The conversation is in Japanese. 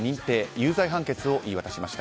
有罪判決を言い渡しました。